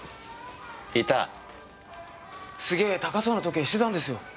すげえ高そうな時計してたんですよ。